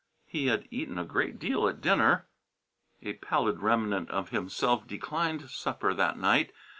He had eaten a great deal at dinner.... A pallid remnant of himself declined supper that night.